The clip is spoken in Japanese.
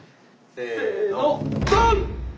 せのドン！